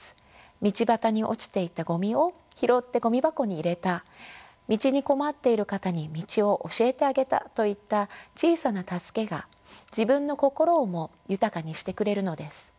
道端に落ちていたゴミを拾ってゴミ箱に入れた道に困っている方に道を教えてあげたといった小さな助けが自分の心をも豊かにしてくれるのです。